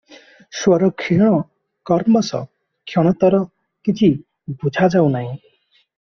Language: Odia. ସ୍ୱର କ୍ଷୀଣ କ୍ରମଶଃ କ୍ଷୀଣତର କିଛି ବୁଝା ଯାଉ ନାହିଁ ।